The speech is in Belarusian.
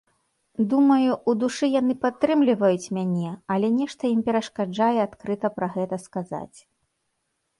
Думаю, ў душы яны падтрымліваюць мяне, але нешта ім перашкаджае адкрыта пра гэта сказаць.